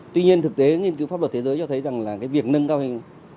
tuy nhiên thực tế nghiên cứu pháp luật thế giới cho thấy rằng việc nâng cao hình phạt